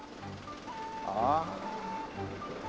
ああ。